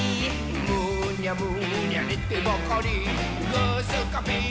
「むにゃむにゃねてばかりぐーすかー